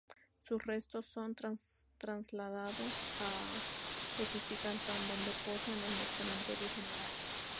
Sus restos son trasladados a Tegucigalpa, donde posan en el cementerio general.